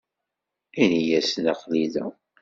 Ini-asen aql-i da.